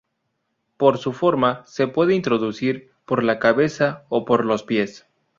Por su forma, se puede introducir por la cabeza o por los pies.